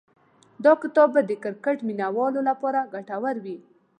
دا کتاب به د کرکټ مینه والو لپاره ګټور وي.